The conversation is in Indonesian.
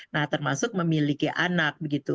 nah termasuk memiliki anak begitu